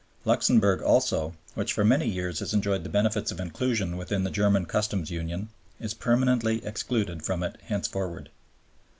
Luxemburg also, which for many years has enjoyed the benefits of inclusion within the German Customs Union, is permanently excluded from it henceforward.